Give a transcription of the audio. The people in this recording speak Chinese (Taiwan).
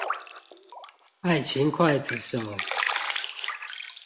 愛情劊子手